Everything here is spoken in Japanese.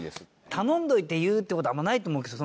頼んでおいて言うって事はあんまりないと思うんですけど